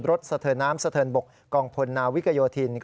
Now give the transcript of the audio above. สะเทินน้ำสะเทินบกกองพลนาวิกโยธิน